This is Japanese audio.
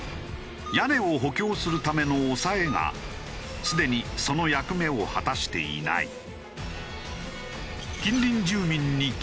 屋根を補強するためのおさえがすでにその役目を果たしていない。